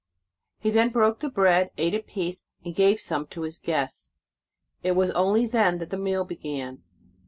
He then broke the bread, ate a piece, and gave some to his guests. It was only then that the meal began.